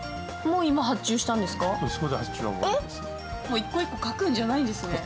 一個一個書くんじゃないんですね。